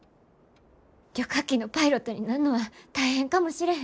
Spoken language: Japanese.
旅客機のパイロットになんのは大変かもしれへん。